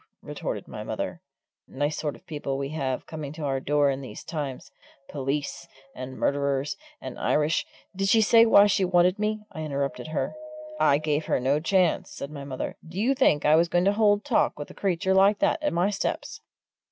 retorted my mother. "Nice sort of people we have coming to our door in these times! Police, and murderers, and Irish " "Did she say why she wanted me?" I interrupted her. "I gave her no chance," said my mother. "Do you think I was going to hold talk with a creature like that at my steps?"